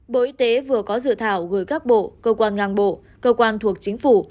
bộ y tế vừa có dự thảo gửi các bộ cơ quan ngang bộ cơ quan thuộc chính phủ